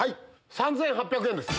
３８００円です。